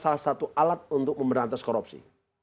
salah satu alat untuk memberantas korupsi